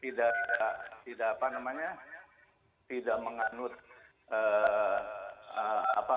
tidak apa namanya tidak menganut